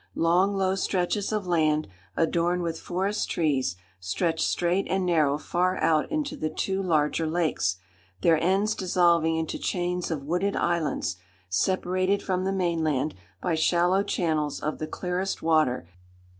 Long, low stretches of land, adorned with forest trees, stretched straight and narrow far out into the two larger lakes, their ends dissolving into chains of wooded islands, separated from the mainland by shallow channels of the clearest water.